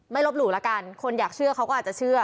ลบหลู่ละกันคนอยากเชื่อเขาก็อาจจะเชื่อ